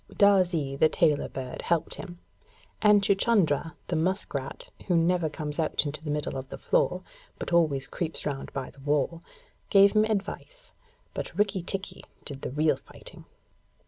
Darzee, the tailor bird, helped him, and Chuchundra, the musk rat, who never comes out into the middle of the floor, but always creeps round by the wall, gave him advice; but Rikki tikki did the real fighting.